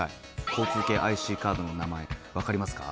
交通系ＩＣカードの名前わかりますか？